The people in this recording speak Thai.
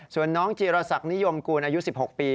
ส่วนน้องจีรศักดิยมกูลอายุ๑๖ปี